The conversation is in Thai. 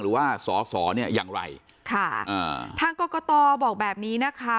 หรือว่าสอสอเนี่ยอย่างไรค่ะอ่าทางกรกตบอกแบบนี้นะคะ